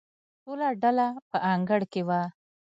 ټوله ډله په انګړ کې وه.